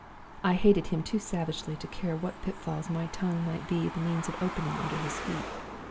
I hated him too savagely to care what pitfalls my tongue might be the means of opening under his feet.